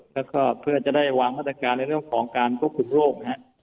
แล้วก็เพื่อจะได้วางมาตรการในเรื่องของการควบคุมโรคนะฮะ